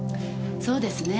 そうですね